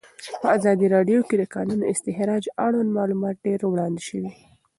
په ازادي راډیو کې د د کانونو استخراج اړوند معلومات ډېر وړاندې شوي.